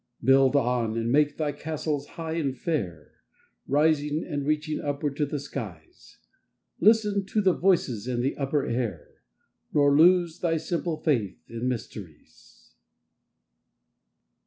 Build on, and make thy castles high and fair, Rising and reaching upward to the skies; Listen to voices in the upper air, Nor lose thy simple faith in mysteries.